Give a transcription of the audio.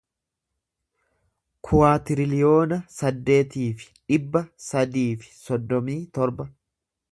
kuwaatiriliyoona saddeetii fi dhibba sadii fi soddomii torba